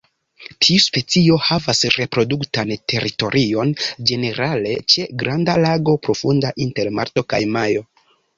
Tiu specio havas reproduktan teritorion, ĝenerale ĉe granda lago profunda, inter marto kaj majo.